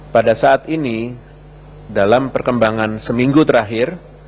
pada saat ini dalam perkembangan seminggu terakhir